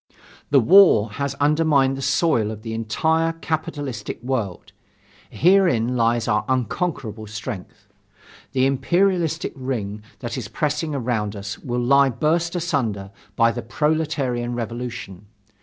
The war has undermined the soil of the entire capitalistic world. Herein lies our unconquerable strength. The imperialistic ring that is pressing around us will lie burst asunder by the proletarian revolution.